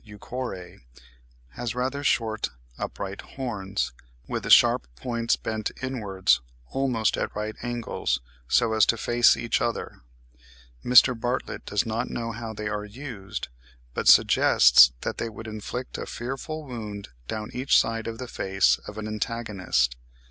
euchore) has rather short upright horns, with the sharp points bent inwards almost at right angles, so as to face each other; Mr. Bartlett does not know how they are used, but suggests that they would inflict a fearful wound down each side of the face of an antagonist.